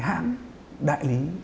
hãng đại lý